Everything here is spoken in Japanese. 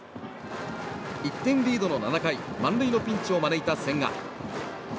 １点リードの７回満塁のピンチを招いた千賀。